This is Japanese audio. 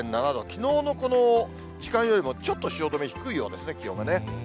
きのうのこの時間よりもちょっと汐留、低いようですね、気温がね。